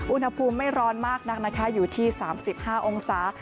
อุณหภูมิไม่ร้อนมากนักนะคะอยู่ที่๓๕องศา